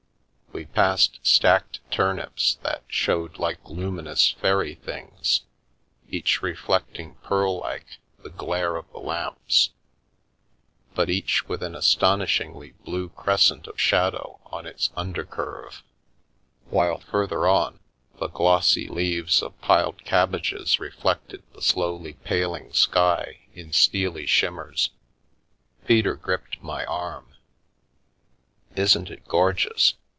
We passed stacked turnips, that showed like luminous fairy things, each reflecting pearl like the glare of the lamps, but each with an astonishingly blue crescent of shadow on its under curve, while further on, the glossy leaves of piled cabbages reflected the slowly paling sky in steely shimmers. Peter gripped my arm. Isn't it gorgeous?